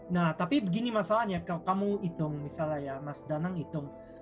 nah tapi begini masalahnya kalau kamu hitung misalnya ya mas danang hitung